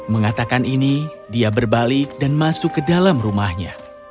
mengatakan ini dia berbalik dan masuk ke dalam rumahnya